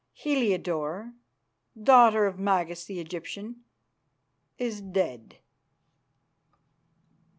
Heliodore, daughter of Magas the Egyptian, is dead.